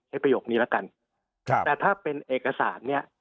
ประโยคนี้แล้วกันครับแต่ถ้าเป็นเอกสารเนี่ย